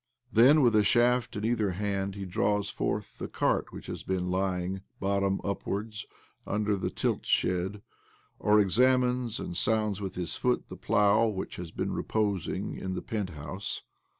Then, with a shaft in either hand, he draws forth the cart which has been lying, bottom upwards, under the tiltshed, or examines and sounds with his foot the plough which has been reposing in the penthouse.